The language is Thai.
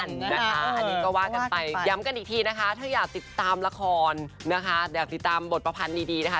อันนี้ก็ว่ากันไปย้ำกันอีกทีนะคะถ้าอยากติดตามละครนะคะอยากติดตามบทประพันธ์ดีนะคะ